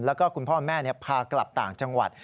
แล้วก็คุณพ่อแม่พากลับต่างจังหวัด